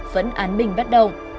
vẫn án bình bất động